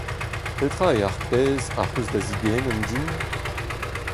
Petra eo ar pezh ac’h eus da zegemenn din ?